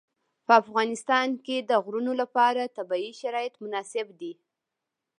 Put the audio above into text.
په افغانستان کې د غرونه لپاره طبیعي شرایط مناسب دي.